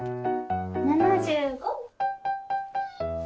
７５。